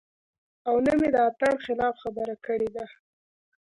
او نۀ مې د اتڼ خلاف خبره کړې ده -